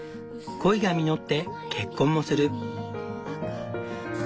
恋が実って結婚もする。